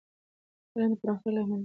علم د پرمختګ لامل دی.